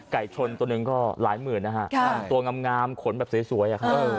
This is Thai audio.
ไก่ชนตัวนึงก็หลายหมื่นตัวงามขนแบบสวย